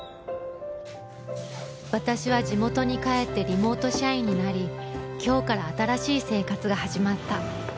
私は地元に帰ってリモート社員になり今日から新しい生活が始まった